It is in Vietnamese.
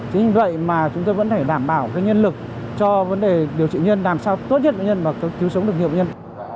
chính vì vậy mà chúng tôi vẫn phải đảm bảo nhân lực cho vấn đề điều trị nhân làm sao tốt nhất bệnh nhân và cứu sống được nhiều bệnh nhân